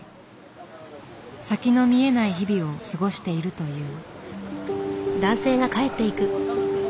先の見えない日々を過ごしているという。